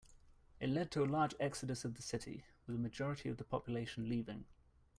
It led to a large exodus of the city, with a majority of the population leaving.